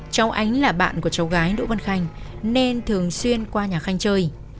cháu ánh là bạn của cháu gái đỗ văn khanh nên thường xuyên qua nhà khanh chơi